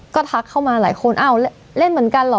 ก็ทักเข้ามาหลายคนอ้าวเล่นเหมือนกันเหรอ